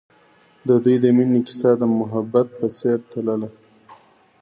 د دوی د مینې کیسه د محبت په څېر تلله.